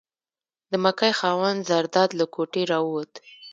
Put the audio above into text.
د مکۍ خاوند زرداد له کوټې راووت.